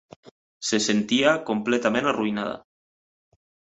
Se sentia completament arruïnada.